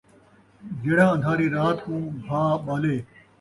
جِہڑا اَندھاری رات کوں بھا ٻالے،